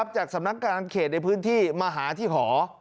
จากสำนักการเขตในพื้นที่มาหาที่หอ